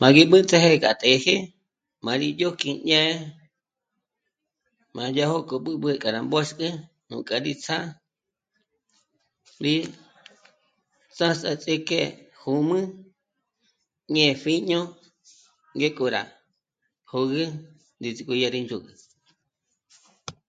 Má gí mbǘts'áje k'a të̌jë má rí ndzhók'i ñé'e, má yá jó k'o b'ǚb'ü k'a rá mbôxk'e nú k'â'a rí ts'á, rí... ts'áts'a ts'íjke jǚmü ñé pjíño ngéko rá jö̌gü ndízik'o yá rí ndzhôgü